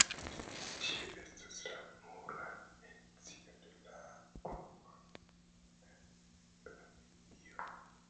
Tiu estas la nura mencio de la grupo en la Biblio.